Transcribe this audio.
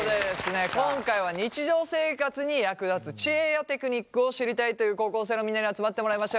今回は日常生活に役立つ知恵やテクニックを知りたいという高校生のみんなに集まってもらいました。